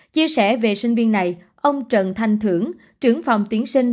chia sẻ về sinh viên này ông trần thanh thưởng trưởng phòng tiến sinh